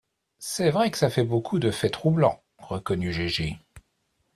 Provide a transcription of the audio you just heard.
C’est vrai que ça fait beaucoup de faits troublants, reconnut Gégé.